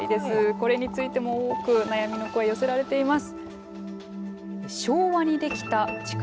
これについても多く悩みの声寄せられています。